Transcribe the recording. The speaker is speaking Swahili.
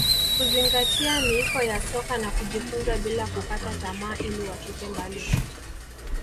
kuzingatia miiko ya soka na kujifunza bila kukata tamaa ili wafike mbali